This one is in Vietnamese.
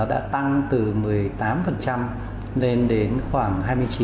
đã tăng từ một mươi tám lên đến khoảng hai mươi chín